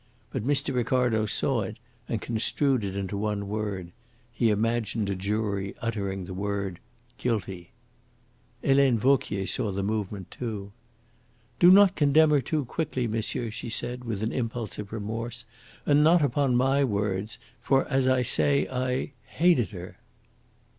But Mr. Ricardo saw it, and construed it into one word. He imagined a jury uttering the word "Guilty." Helene Vauquier saw the movement too. "Do not condemn her too quickly, monsieur," she, said, with an impulse of remorse. "And not upon my words. For, as I say, I hated her."